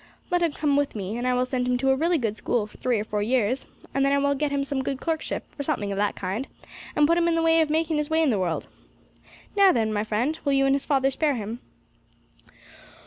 Let him come with me, and I will send him to a really good school for three or four years, and then I will get him some good clerkship, or something of that kind, and put him in the way of making his way in the world. Now then, my friend, will you and his father spare him?'